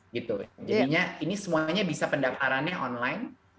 jadinya ini semuanya bisa pendaftarannya online